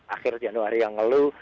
akhir januari yang lalu